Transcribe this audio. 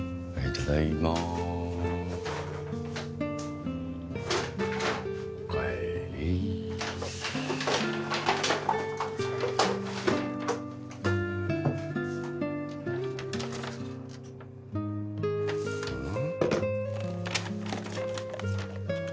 ただいまおかえりうん？